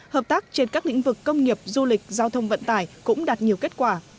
hợp tác trên các lĩnh vực công nghiệp du lịch giao thông vận tải cũng đạt nhiều kết quả